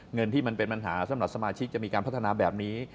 เงินที่มันเป็นปัญหาสำหรับสมาชิกจะมีการพัฒนาแบบนี้